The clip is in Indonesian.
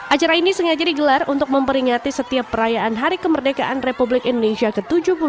acara ini sengaja digelar untuk memperingati setiap perayaan hari kemerdekaan republik indonesia ke tujuh puluh dua